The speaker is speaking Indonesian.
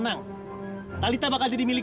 yang tactile makin merk